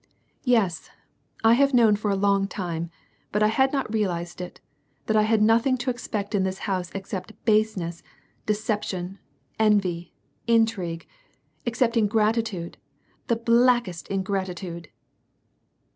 '• Yes, I have known for a long time, but 1 had not realized it, that I had nothing to expect in this house except baseness, deception, envy, intrigue ; except ingratitude, the blackest in gratitude."